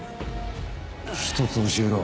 一つ教えろ。